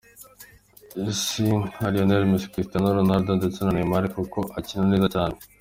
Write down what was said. isi nka Lionel Messi, Cristiano Ronaldo ndetse na Neymar kuko akina neza cyane.